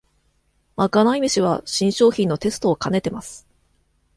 まかない飯は新商品のテストをかねてます